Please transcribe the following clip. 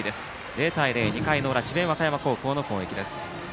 ０対０、２回の裏智弁和歌山高校の攻撃です。